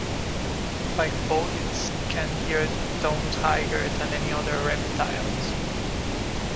Pygopodids can hear tones higher than any other reptiles.